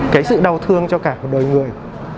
cái sự đau thương cho cả một đôi người